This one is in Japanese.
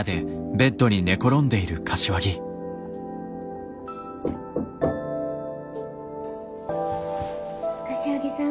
・柏木さん